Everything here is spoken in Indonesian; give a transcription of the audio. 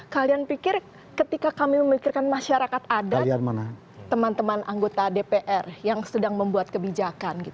kalian pikir ketika kami memikirkan masyarakat adat teman teman anggota dpr yang sedang membuat kebijakan